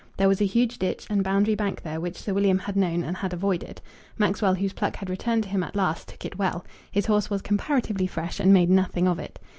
There was a huge ditch and boundary bank there which Sir William had known and had avoided. Maxwell, whose pluck had returned to him at last, took it well. His horse was comparatively fresh and made nothing of it.